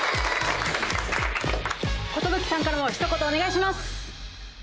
寿さんからも一言お願いします。